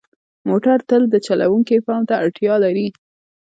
موټر تل د چلوونکي پام ته اړتیا لري.